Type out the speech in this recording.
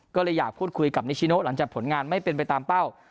ก็เลยอยากพูดคุยกับนิชิโนหลังจากผลงานไม่เป็นไปตามเป้า